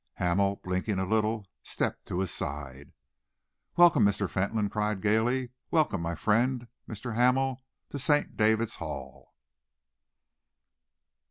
Hamel, blinking a little, stepped to his side. "Welcome!" Mr. Fentolin cried gaily. "Welcome, my friend Mr. Hamel, to St. David's Hall!"